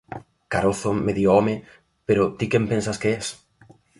Carozo! Medio home! Pero ti quen pensas que es?